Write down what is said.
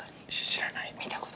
知らないの？